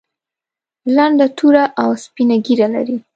لنډه توره او سپینه ږیره لري.